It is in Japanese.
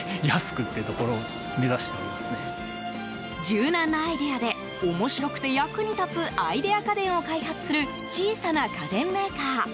柔軟なアイデアで面白くて役に立つアイデア家電を開発する小さな家電メーカー。